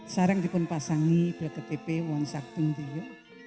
sarang dipun pasangi belketipe wonsak dung diyo